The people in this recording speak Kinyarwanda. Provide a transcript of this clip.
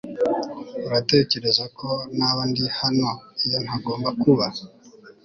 Uratekereza ko naba ndi hano iyo ntagomba kuba